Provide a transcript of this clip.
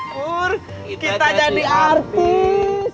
pur kita jadi artis